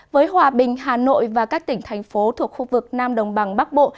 với hòa bình hà nội và các tỉnh thành phố thuộc khu vực nam đồng bằng bắc bộ